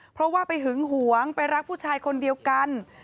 เพราะว่าไปหึงหวงไปรักผู้ชายคนเดียวกัน